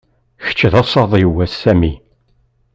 Kečč d asaḍ-iw, a Sami.